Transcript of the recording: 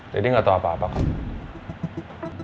deddy gak tau apa apa kok